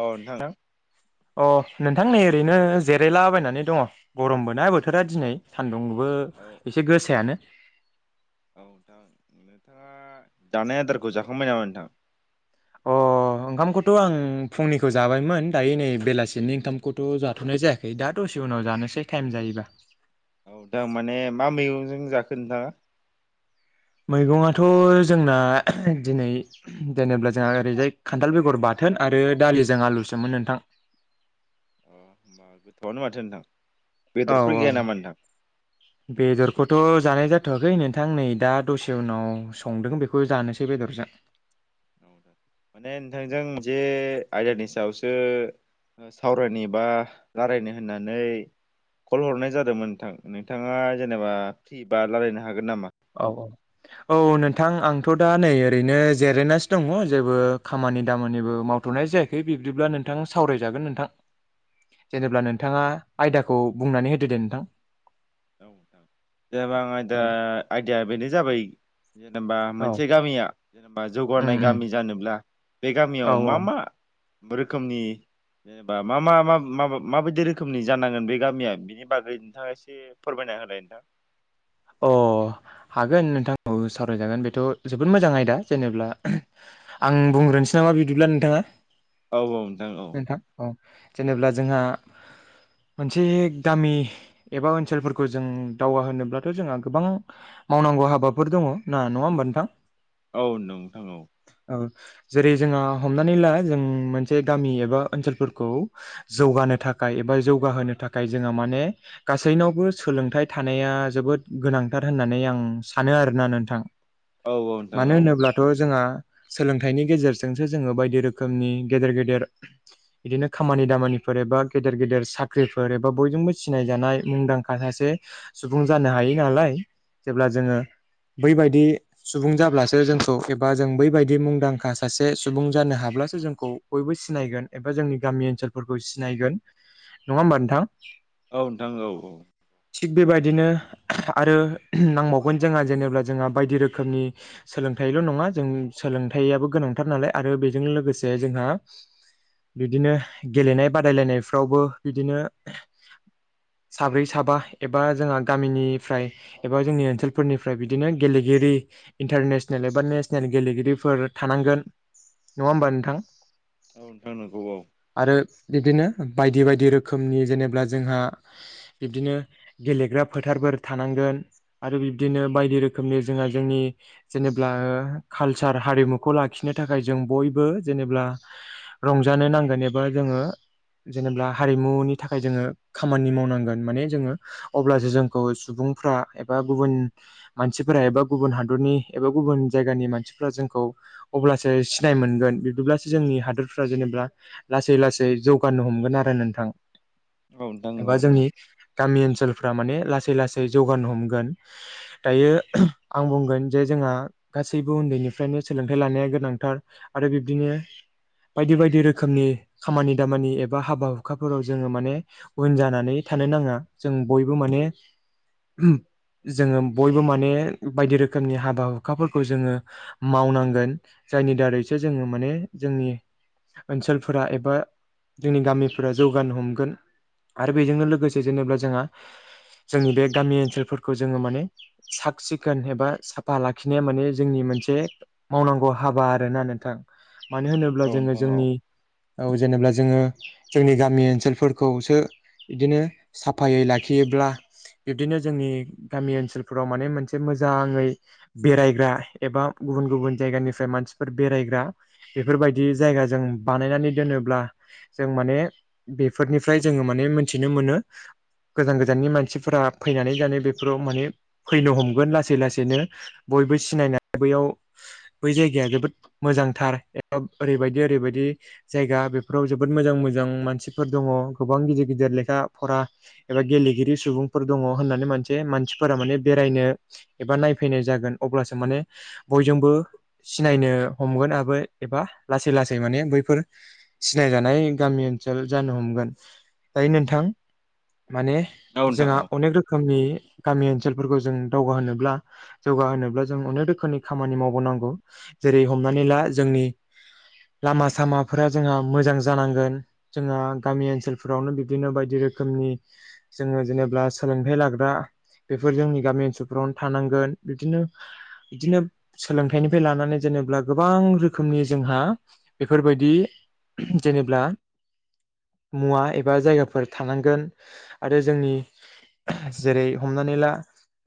अ नोंथां। अ नोंथां नै ओरैनो जिरायलाबायनानै दङ गरमबो ना बोथोरा दिनै सानदुं। बो औ एसे गोसायानो औ नोंथां नोंथाङा जानाय आदारखौ जाखांबाय नामा नोंथां? अ अ ओंखामखौथ' आं फुंनिखौ जाबायमोन दायो नै बेलासिनि ओंखामखौथ' जाथ'नाय जायाखै दा दसे इसे उनाव जानोसै टाइम जायोबा। औ दा माने मा मैगंजों जाखो नोंथाङा? मैगंआथ' जोंना दिनै जेनेब्ला जोंहा ओरैजाय खान्थाल बेगर बाथ बाथोन आरो दालिजों आलुसोमोन नोंथां। अ होमबा गोथौआनो माथो नोंथां। औ बेदरफोर औ गैया नामा नोंथां बेदरखौथ' जानाय जा होथ'वाखै नोंथां नै दा दसे उनाव संदों बेखौ जानोसै बेदरजों। माने नोंथांजों जे आयदानि सायावसो सावरायनो बा रायलायनो होननानै कल हरनाय जादोंमोन नोंथां नोंथाङा जेनेबा फ्रिबा रायलायनो हागोन नामा? औ औ। औ नोंथां आंथ' दा नै ओरैनो जिरायनासो दङ' जेबो खामानि दामानिबो मावथ थ'नाय जायाखै बिब्दिब्ला नोंथां सावरायजागोन नोंथां। औ जेनेब्ला औ नोंथाङा आयदाखौ बुंनानै होदो दे नोंथां। जेनेबा आं आयदा औ आयदाया बेनो जाबाय जेनेबा मोनसे गामिया जेनेबा उम जौगानाय उम गामि जानोब्ला बे गामियाव औ मा मा रोखोमनि जेनबा मा मा मा माबा माबायदि रोखोमनि जानांगोन बे गामिया बेनि बागै नोंथाङा एसे फोरमायना होलाय नोथां। अ हागोन नोंथांखौ सावरायजागोन बेथ' जोबोद मोजां आयदा जेनेब्ला आं बुंग्रोनोसै नामा बिदिब्ला नोंथाङा? औ औ नोंथां औ। नोंथां औ जेनेब्ला जोंहा मोनसे गामि एबा ओनसोलफोरखौ जों दावगा होनोब्ला थ' जोंहा गोबां मावनांगौ हाबाफोर दङ ना नङा होमबा नोंथां? औ नोंथां औ औ जेरै जोंहा हमनानै ला जों मोनसे गामि एबा ओनसोलफोरखौ जौगानो थाखा खाय एबा जौगाहोनो थाखाय जोंङहा माने गासैनावबो सोलोंथाइ थानाया जोबोद गोनांथार होननानै आं सानो आरोना नोंथां मानो होनोब्लाथ' जोंहा सोलोंथाइनि गेजेरजोंसो जोङो बायदि रोखोमनि गेदेर गेदेर बिदिनो खामानि दामानिफोर फोर एबा गेदेर गेदेर साख्रिफोर एबा बयजोंबो सिनाय जानाय मुंदांखा सासे सुबुं जानो हायो नालाय जेब्ला जोङो बैबायदि सुबुं जाब्लासो जोंखौ एबा जों बैबायदि मुंदांखा सासे सुबुं जानो हाब्ला ब्लासो जोंखौ बयबो सिनायगोन एबा जोंनि गामि ओनसोलफोरखौ सिनायगोन। नङा होमबा नोंथां? औ नोंथां औ औ थिग बेबायदिनो आरो नांबावगोन जोंहा जेनेब्ला जोंहा बायदि रोखोमनि सोलोंथाइल' नङा जों सो सोलोंथायाइयाबो गोनांथार नालाय आरो बेजों लोगोसे जोंहा बिदिनो गेलेनाय बादायलायनायफ्रावबो बिदिनो साब्रै साबा एबा जोंहा गामिनि फ्राय एबा जोंनि ओनसोलफोरनिफ्राय बिदिनो गेलेगिरि इन्टारनेसनेल एबा नेसनेले गेलेगिरिफो फोर थानांगोन नङा होमबा नोंथां? औ नोंथां नांगौ औ। आरो बिब्दिनो बायदि बायदि रोखोमनि जेनेब्ला जोंहा बिब्दिनो गेलेग्रा फोथारफोर थानांगोन आरो बिब्दिनो बायदि रोखोमनि जोंहा जोंनि जेनेब्ला कालचार हारिमुखौ लाखिनो थाखाय जों बयबो जेनेब्ला रंजानो नांगोन एबा जोङो जेनेबा हारिमुनि थाखाय जोङो खामानि मावनांगोन माने जोङो अब्लासो जोंखौ सु सुबुंफ्रा एबा गुबुन मानसिफोरा एबा गुबुन हादरनि एबा गुबुन जायगानि मानसिफोरा जों खौ सिनाय मोनगोन बिदिब्लासो जोंनि हादोरफोरा जेनेबा लासै लासै जौगा नो हमगोन आरो नोंथां नोंथां औ एबा औ जोंनि गामि ओनसोलफोरा माने लासै लासै जौगानो हमगोन दायो आं बुंगोन जे जोंहा गासैबो उन्दैनिफ्रायनो सोलोंथाइ लानाया गोनांथार आरो बिब्दिनो बायदि बायदि रोखोमनि खामानि दामानि एबा हाबा हुखाफोराव जोङो माने उन जानानै था थानो नाङा जों बयबो माने जोङो बयबो माने बायदि रोखोमनि हाबा हुखाफोरखौ जोङो मावनांगोन जायनि दारैसो जोङो माने जोंनि ओनसोलफोरा एबा जोंनि गामिफोरा जौगानो हमगोन। आरो बेजोंनो लोगोसे जेनेब्ला जोंहा जोंनि बे गामि ओनसोलफोरखौ जोङो माने साफ सिखोन एबा साफा लाखिनाया माने जोंनि मोनसे मावनांगौ हाबा आरोना नोंथां मानो होनोब्ला औ जोङो नोंथां औ जोंनि औ जेनेबा जों जोङो जोंनि गामि ओनसोलफोरखौसो बिदिनो साफायै लाखियोब्ला बिब्दिनो जोंनि गामि ओनसोलफोराव माने मोनसे मोजाङै बेरायग्रा एबा गुबुन गुबुन गुबुन जायगानिफ्राय मानसिफोर बेरायग्रा बेफोरबायदि जायगाजों बानायनानै दोनोब्ला जों माने बेफोरनिफ्राय जोङो माने मोनथिनो मोनो गोजान गोजाननि मानसिफोरा फैनानै जानो बेफोराव माने फैनो हमगोन लासै लासैनो बयबो सिनायनानै बेयाव बै जायगाया जोबोद मोजांथार ओरैबायदि ओरैबायदि जायगा बेफोराव जोबोद मोज जां मोजां मानसिफोर दङ गोबां गिदिर गिदिर लेखा फरा एबा गेलेगिरि सुबुंफोर दङ होन्नानै मोनसे मानसिफोरा माने बेरायनो एबा नायफैनो जागोन अब्लासो माने बय जोंबो सिनायनो हमगोन एबा लासै लाै माने बैफोर सिनायजानाय सै गामि ओनसोल जानो हमगोन दायो नोंथां माने नोंथां जोंहा औ अनेख रोखोमनि गामि ओनसोलफोरखौ जों दावगा होनोब्ला जौगाहोनोब्ला जों अनेक रोखोमनि खामानि मावबावनांगौ जेरै हमनानै ला जोंनि लामा सामाफोरा जोंहा मोजां जानांगोन जोंहा गामि ओनसोलफोरावनो बिबदिनो बायदि रोखोमनि जोङो जेनेबा सोलोंथाइ लाग्रा बेफोर जोंनि गामि ओनसोलफ्रावनो थानांगोन बिदिनो बिदिनो सोलोंथाइनिफ्राय लानानै जे नोब्ला गोबां रोखोमनि जोंहा बेफोरबायदि जेनेबा मुवा एबा जायगाफोर थानांगोन आरो जोंनि जेरै हमनानै ला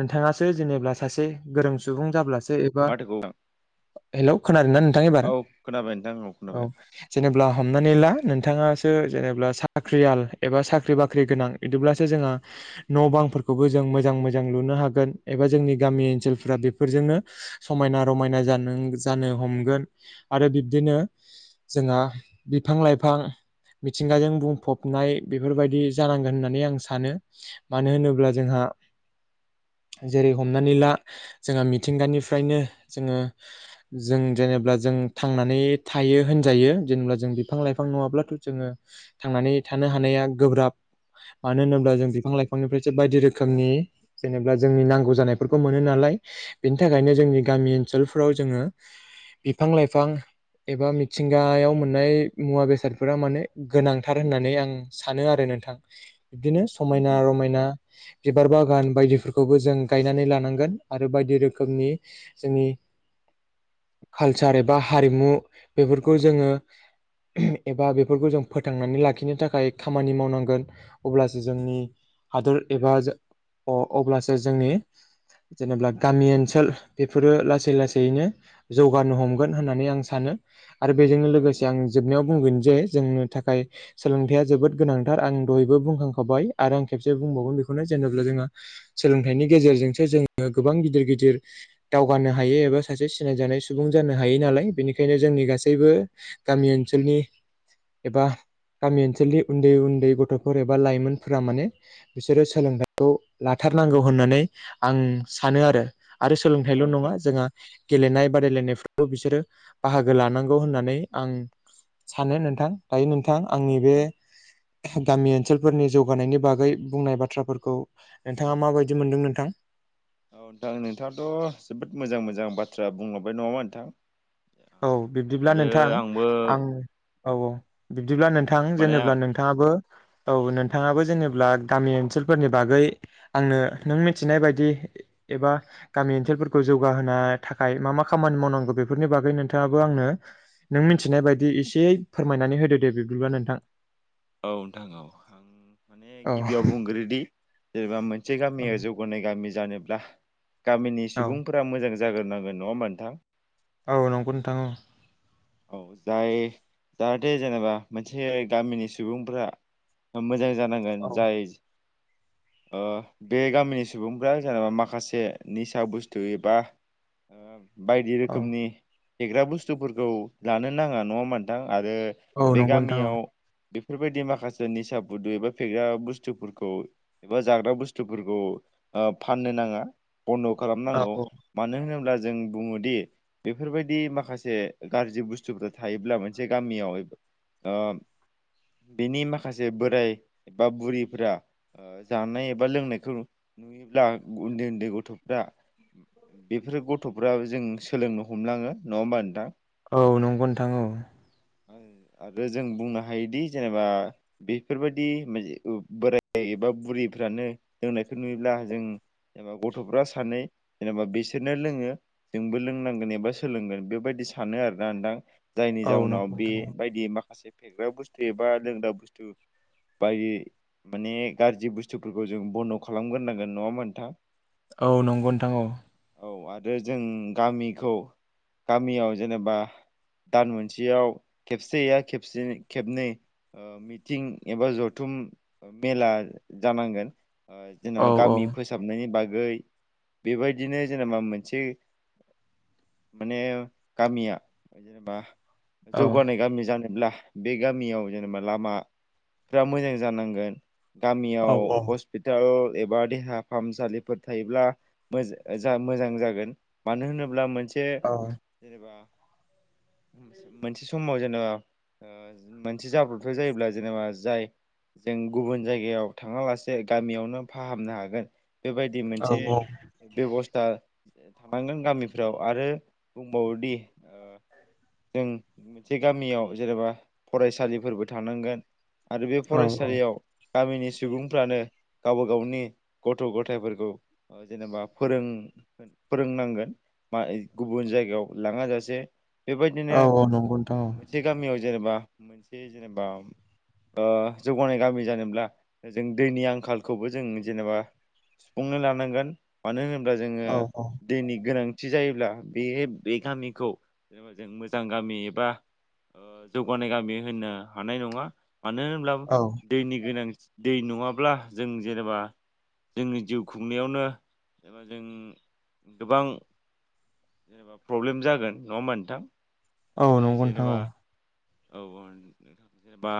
नोंथाङासो जेनेबा सासे गोरों सुबुं जाब्लासो एबा [unintelligible] हेलौ खोनादों ना नोंथां एबार औ खोनाबाय नोंथां औ खोनाबाय जेनेब्ला हमनानै ला नोंथाङा। सो जेनेब्ला साख्रियाल एबा साख्रि बाख्रि गोनां बिदिब्लासो जोंहा न' बांफोरखौबो जों मोजां मोजां लुनो हागोन एबा जोंनि गामि ओनसोलफ्रा बेफोरजोंनो समाय ना रमायना जानो हमगोन आरो बिब्दिनो जोंहा बिफां-लाइफां मिथिंगाजों बुंफबनाय बेफोरबायदि जानांगोन होननानै आं सानो मानो होनोब्ला जोंहा [unintelligible] जेरै हमनानै ला जोंहा मिथिंगानिफ्रायनो जोङो जों जेनेबा जों थांनानै थायो होनजायो जेनेा जों बिफां लाइफां नङाब्लाथ' जोङो थांनानै थानो नैया गोब्राब मानो होनोब्ला जों बिफां-लाइफां आङोबायदि रोखोमनि जेनेबा जोंनि नांगौ जानायफोरखौ मोनो नालाय बेनि थाखायनो जोंनि गामि ओनसोलफ्राव जोङो बिफां-लाइफां एबा मिथिंगायाव मोननाय मुवा बेसादफोरा माने गोनांथार होननानै आं सानो आरो नोंथां बिदिनो समायना नोंथां औ रमायना बिबार बागान बायदिफोरखौबो जों गायनानै लानांगोन आरो बायदि रोखोमनि जोंनि [unintelligible] कालचार एबा हारिमु बेफोरखौ जोङो एबा बेफोरखौ जों फोथांनानै लाखिनो थाखाय खामानि मावनांगोन अब्लासो जोंनि हादर एबा जो अ-अब्लासो जोंनि जेनेबा गामि ओनसोल बेफोरो लासै लासैैनो जौगानो हमगोन होननानै आं सानो आरो बेजोंनो औ लोगोसे आं जोबनायाव बुंगोन जे जोंनो थाखाय सोलोंथाइया जोबोद गोनांथार आं दहायबो बुंखांखाबाय आरो आं खेबसे बुंबावगोन बेखौनो जेनेबा जोंहा सोलोंथाइनि गेजेरजोंसो जोङो गोबां गिदिर गिदिर - दावगानो हायो एबा सासे सिनायजानाय सुबुं जानो हायो नालाय बेनिखायनो जोंनि गासैबो गामि ओनसोल थोनि एबा गामि ओनसोलनि उन्दै उन्दै गथ'फोर एबा लाइमोनफोरा माने बिसोरो सोलोंथाइखौ लाथारनांगौ होननानै आं सानो आरो आरो सोलोंथाइल' नोंथां नङा जोंहा गेलेनाय बादायलायफोरखौ बिसोरो बाहागो लानांगौ होननानै आं सानो नोंथां दायो नों थां औ आंनि बे नोंथां गामि ओनसोलफोरनि जौगानायनि बागै बुंनाय बाथ्राफोरखौ नोंथाङा माबायदि मोनदों नोंथां? औ नोंथां नोंथाङाथ' जोबोद मोजां मोजां बाथ्रा बुंलांबाय नङाहोनबा नोंथां? औ बिब्दिब्ला आरो नोंथां आंबो आं औ औ बिदिब्ला औ नोंथां माने जेनेबा औ नोंथाङाबो औ नोंथाङाबो जेनेबा गामि ओनसोलफोरनि बागै आंनो नों मिथिनाय बायदि एबा गामि ओनसोलफोरखौ जौगाहोनो थाखाय मा मा खामानि मावनांगौ बेफोरनि बागै नों थाङाबो आंनो नों मिथिनाय बायदि एसे फोरमायनानै होदो दे बिबदिबा नोंथां। औ नोंथां औ आं माने औ गिबियाव बुंग्रोदि जेनेबा मोनसे गामिया जौगानाय गामि जानोब्ला गामिनि औ सुबुंफोरा मोजां जाग्रोनांगोन नङा होनबा नोंथां? औ नंगौ नोंथां अ औ जाय जाहाथे जेनेबा मोनसे गामिनि सुबुंफोरा ओ मोजां जानांगोन औ जायस ओ बे गामिनि सुबुंफ्रा जेनेबा माखासे निसा बुस्थु एबा ओ बायदि औ रोखोमनि फेग्रा बुस्थुफोरखौ लानो नाङा नङा होनबा नोंथां? आरो औ बे नंगौ नोंथां औ गामियाव बेफोरबायदि माखासे निसा बुदै एबा फेग्रा बुस्थुफोरखौ एबा जाग्रा बुस्थुफोरखौ ओ फाननो नाङा। बन्द' खालामनांगौ औ मानो होनोब्ला जों बुङोदि बेफोरबायदि माखासे ओ गारज जि बुस्थुफोरा थायोब्ला मोनसे गामियाव एबा ओम बेनि माखासे बोराय एबा बुरिफोरा ओ जानाय एबा लोंनायखौ नुयोब्ला उन्दै उन्दै गथ'फ्रा बेफोरो गथ'फ्राबो जों सोलोंनो हमलाङो नङा होमबा नोंथां? औ नंगौ नोंथां औ आङो आरो जों बुंनो हायोदि जेनेबा बेफोरबायदि मेजे ओ बोराय जाय एबा बुरिफ्रानो लोंनायखौ नुयोब्ला जों एबा गथ'फ्रा सानै जेनेबा बिसोरनो लोङो जोंबो लोंनांगोन एबा सोलोंगोन बेबायदि इ सानो आरोना नोंथां जायनि औ जाउनाव नंगौ नोंथां औ बेबायदि माख माखासे फेग्रा बुस्थु एबा लोंग्रा बुस्थु बायै माने गारजि बुस्थुफोरखौ जों बन्द' खालामग्रोनांगोन नङा होनबा नोंथां? औ नंगौ नोंथां औ औ आरो जों गामिखौ गामियाव जेनेबा दान मोनसेयाव खेबसेया खेबसेनै खेबनै ओ मिटिं एबा जथुम ओ मेला जानांगोन। ओ औ जेनेबा गामि फोसाबनायनि बाग गै बेबायदिनो जेनेबा मोनसे माने गामिया जेनेबा औ जौगानाय गामि जानोब्ला बे गामियाव जेनेबा लामाफ्रा मोजां जानांगोन। गामियाव औ औ हस्पिटाल एबा देहा फाहामसालिफोर थायोब्ला मोज ओ जाहा मोजां जागोन मानो होनोब्ला मोनस से औ जेनेबा मोनसे मोनसे समाव जेनेबा ओज मोनसे जाब्रबथाय जायोब्ला जेनेबा जाय जों गुबुन जायगायाव थाङा लासे गामियावनो फाहामनो हागोन। बेबायदि मोनसे बेबस्था ओ थानांगोन गामिफ्राव आरो बुंबावोदि ओ जों मोनसे गामियाव जेनेबा फरायसालिफोरबो थानांगोन। आरो बे औ फरायसालियाव गामिनिस सुबुंफ्रानो गावबा गावनि गथ' गथायफोरखौ ओ जेनेबा फोरों गोन फोरोंनांगोन बा एग गुबुन जायगायाव लाङा जासे बेबायदिनो औ औ नंगौ नोंथां मोनसे गामियाव जेनेबा मोनसे जेनेबा उम ओ जौगानाय गामि जानोब्ला जों दैनि आंखालखौबो जों जेनेबा सुफुंनो लानांगोन मानो होन बा जोङो औ औ दैनि गोनांथि जायोब्ला बेहेब बे गामिखौ जेनेबा जों मोजां गामि एबा ओ जौगानाय गामि होननो हानाय नङा। मानो होनब्लाबो औ दैनि गोनांथि दै नङाब्ला जों जेनेबा जोंनि जिउ खुंनायावनो एबा जों गोबां जेनेबा प्रब्लेम जागोन नङा होमबा नोंथां? औ जाय नंगौ नोंथां जेनेबा औ औ औ नोंथां जेनेबा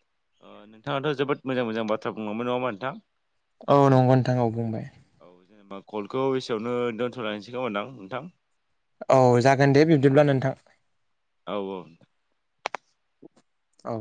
[inaudible] ओ नोंथाङाथ' जोबोद मोजां मोजां बाथ्रा बुंलांबाय नङा होमबा नोंथां औ नंगौ नोंथां औ बुंबाय औ जेनेबा कलखौ एसेयावनो दोन्थ'लायसै खोमा नोंथां औ जागोन दे बिब्दिब्ला नोंथां औ औ औ